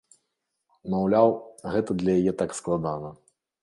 Маўляў, гэта для яе так складана.